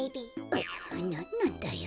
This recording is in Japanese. ううなんなんだよ。